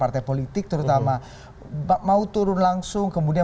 ketika anda mau turun langsung